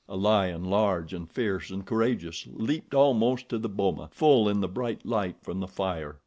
A lion, large, and fierce, and courageous, leaped almost to the boma, full in the bright light from the fire.